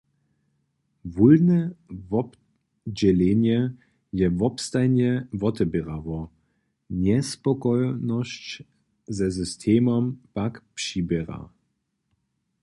Wólbne wobdźělenje je wobstajnje woteběrało, njespokojnosć ze systemom pak přiběrała.